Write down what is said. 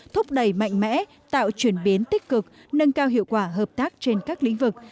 thúc đẩy mạnh mẽ tạo chuyển biến tích cực nâng cao hiệu quả hợp tác trên các lĩnh vực